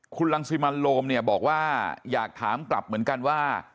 คุณรังสิมันโลมเนี่ยบอกว่าอยากถามกลับเหมือนกันว่า